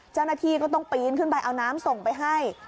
เจ้าหน้าที่ก็ต้องปีนขึ้นไปเอาน้ำส่งไปให้